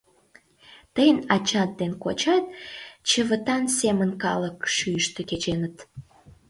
Тыйын ачат ден кочат чывытан семын калык шӱйыштӧ кеченыт.